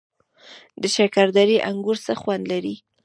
د شکردرې انګور څه خوند لري؟